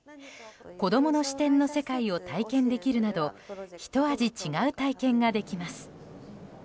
子供の視点の世界を体験できるなどひと味違う体験ができます。